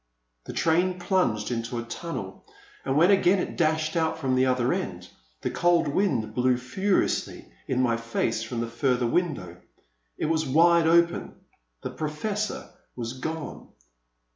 '*— The train plunged into a tunnel, and when again it dashed out from the other end, the cold wind blew furiously in my face from the further window. It was wide open ; the Professor was gone.